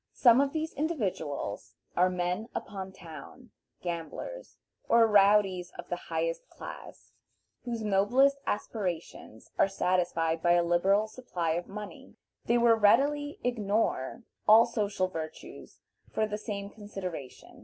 Some of these individuals are men upon town, gamblers, or rowdies of the higher class, whose noblest aspirations are satisfied by a liberal supply of money. They will readily ignore all social virtues for the same consideration.